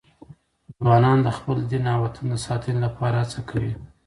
ځوانان د خپل دین او وطن د ساتنې لپاره هڅه کوي.